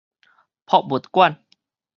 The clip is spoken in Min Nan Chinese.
博物館